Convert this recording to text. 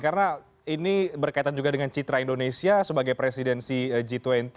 karena ini berkaitan juga dengan citra indonesia sebagai presidensi g dua puluh